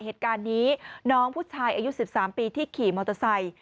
เหตุการณ์นี้น้องผู้ชายอายุ๑๓ปีที่ขี่มอเตอร์ไซค์